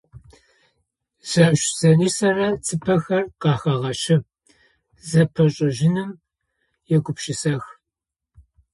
Зыщзэнэсырэ цыпэхэр къыхагъэщы, зэпашӏэжьыным егупшысэх.